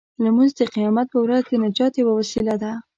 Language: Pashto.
لمونځ د قیامت په ورځ د نجات یوه وسیله ده.